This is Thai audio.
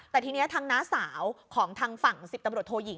แต่ที่นี้ทางน้าสาวของทางฝั่ง๑๘โทรหญิง